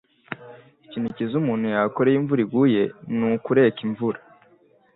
Ikintu cyiza umuntu yakora iyo imvura iguye, ni ukureka imvura.”